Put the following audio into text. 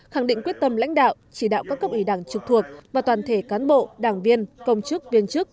khẳng định quyết tâm lãnh đạo chỉ đạo các cấp ủy đảng trực thuộc và toàn thể cán bộ đảng viên công chức viên chức